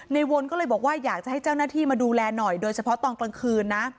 วนก็เลยบอกว่าอยากจะให้เจ้าหน้าที่มาดูแลหน่อยโดยเฉพาะตอนกลางคืนนะ